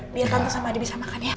biar tante sama adi bisa makan ya